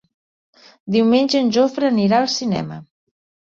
Diumenge en Jofre anirà al cinema.